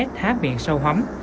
thá miệng sâu hóng